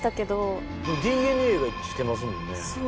ＤＮＡが一致してますもんね。